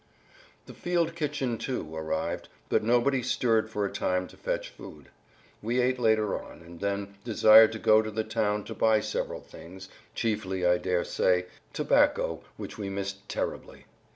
The field kitchen, too, arrived, but nobody stirred for a time to fetch food. We ate later on, and then desired to go to the town to buy several things, chiefly, I daresay, tobacco which we missed terribly.